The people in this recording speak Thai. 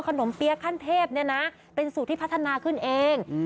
เปี๊ยะขั้นเทพเนี่ยนะเป็นสูตรที่พัฒนาขึ้นเอง